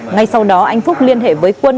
ngay sau đó anh phúc liên hệ với quân